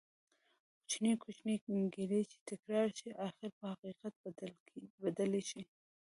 کوچنی کوچنی ګېلې چې تکرار شي ،اخير په حقيقت بدلي شي